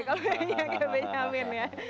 kalau benyamin ya